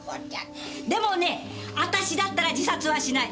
でもね私だったら自殺はしない。